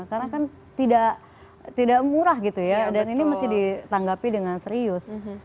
karena kan tidak murah gitu ya dan ini mesti ditanggapi dengan serius